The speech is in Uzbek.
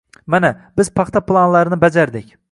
Mana, biz paxta planlarini bajardik.